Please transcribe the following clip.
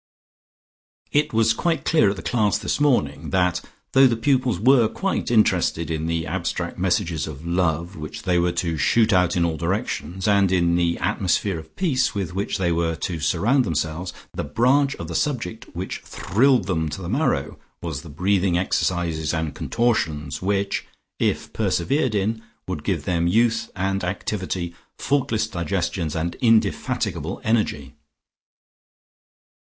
It was quite clear at the class this morning that though the pupils were quite interested in the abstract messages of love which they were to shoot out in all directions, and in the atmosphere of peace with which they were to surround themselves, the branch of the subject which thrilled them to the marrow was the breathing exercises and contortions which, if persevered in, would give them youth and activity, faultless digestions and indefatigable energy.